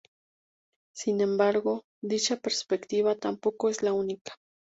Sin embargo, dicha perspectiva tampoco es la única.